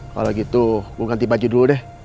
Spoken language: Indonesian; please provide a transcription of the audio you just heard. kalau gitu gue ganti baju dulu deh